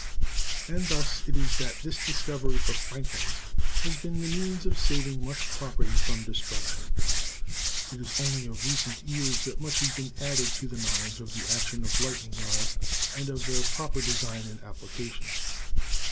And thus it is that this discovery of Franklin's has been the means of saving much property from destruction. It is only of recent years that much has been added to the knowledge of the action of lightning rods and of their proper design and application.